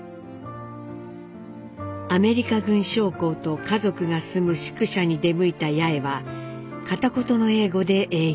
アメリカ軍将校と家族が住む宿舎に出向いた八重は片言の英語で営業。